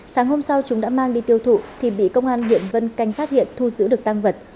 sáng hôm sau chúng đã mang đi tiêu thụ thì bị công an huyện vân canh phát hiện thu giữ được tăng vật